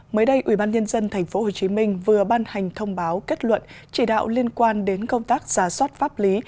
mới đây ubnd tp hcm vừa ban hành thông báo kết luận chỉ đạo liên quan đến công tác giả soát pháp lý